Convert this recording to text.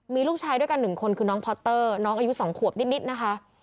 มีลูกชายด้วยกัน๑คนคือน้องพอเตอร์น้องอายุ๒ขวบนิดนะคะ